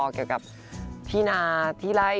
เกี่ยวกับที่นาที่ไล่